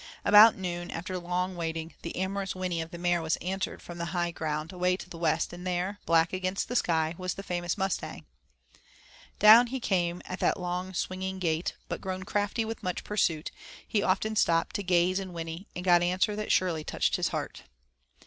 About noon, after long waiting, the amorous whinny of the mare was answered from the high ground, away to the west, and there, black against the sky, was the famous Mustang. Down he came at that long swinging gait, but grown crafty with much pursuit, he often stopped to gaze and whinny, and got answer that surely touched his heart.